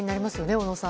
小野さん。